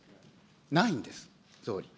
ないんです、総理。